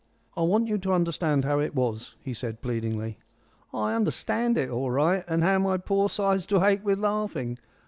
"I want you to understand how it was," he said pleadingly. "I understand it all right. And how my poor sides do ache with laughing.